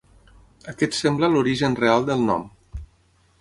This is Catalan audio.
Aquest sembla l'origen real del nom.